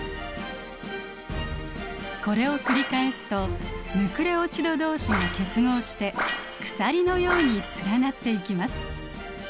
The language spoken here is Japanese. これを繰り返すとヌクレオチドどうしが結合して鎖のように連なっていきます。